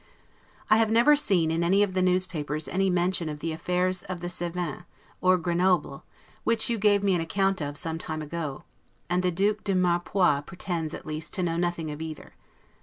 I have never seen in any of the newspapers any mention of the affairs of the Cevennes, or Grenoble, which you gave me an account of some time ago; and the Duke de Mirepoix pretends, at least, to know nothing of either.